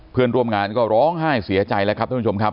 เพื่อนร่วมงานก็ร้องไห้เสียใจแล้วครับท่านผู้ชมครับ